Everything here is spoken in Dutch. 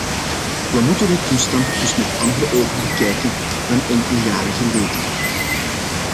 We moeten de toestand dus met andere ogen bekijken dan enkele jaren geleden.